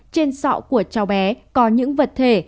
trên sọ của cháu bé có những vật thể